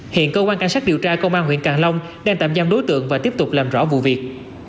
hiện cơ quan cảnh sát điều tra công an huyện càng long đang tạm giam đối tượng và tiếp tục làm rõ vụ việc